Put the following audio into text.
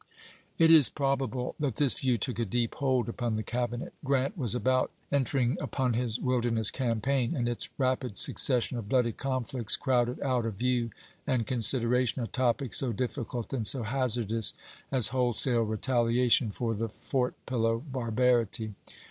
It is probable that this view took a deep hold upon the Cabinet. Grant was about entering upon his Wilderness Campaign, and its rapid succession of bloody conflicts crowded out of view and consid eration a topic so difficult and so hazardous as wholesale retaliation for the Fort Pillow barbarity, Chap.